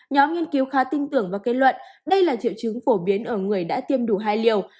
nhóm nghiên cứu khá tin tưởng và kết luận đây là triệu chứng phổ biến ở người đã tiêm đủ hai liều